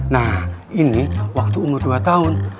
nah ini waktu umur dua tahun